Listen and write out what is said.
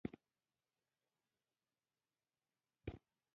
په کاغذ کې د پېچل شوې مالګینې ډوډۍ هم راسره وه.